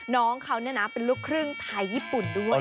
น้องเขาเป็นลูกครึ่งไทยญี่ปุ่นด้วย